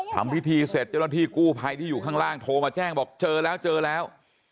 ทำพิธีเสร็จเจ้าหน้าที่กู้ภัยที่อยู่ข้างล่างโทรมาแจ้งบอกเจอแล้วเจอแล้ว